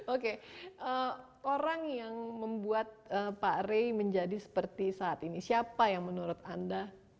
oke orang yang membuat pak rey menjadi seperti saat ini siapa yang menurut anda